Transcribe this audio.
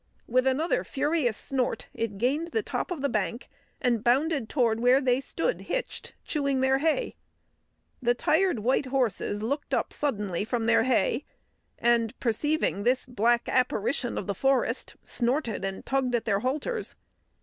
With another furious snort, it gained the top of the bank and bounded toward where they stood hitched, chewing their hay. The tired white horses looked up suddenly from their hay, and perceiving this black apparition of the forest, snorted and tugged at their halters.